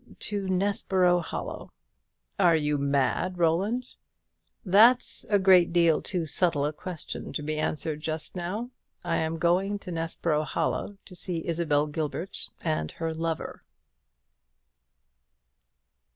"To Nessborough Hollow." "Are you mad, Roland?" "That's a great deal too subtle a question to be answered just now. I am going to Nessborough Hollow to see Isabel Gilbert and her lover."